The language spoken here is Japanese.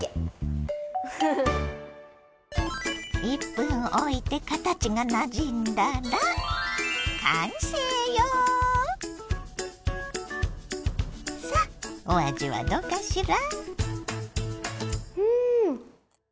１分おいて形がなじんだらさあおあじはどうかしら？